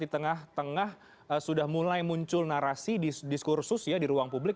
di tengah tengah sudah mulai muncul narasi diskursus ya di ruang publik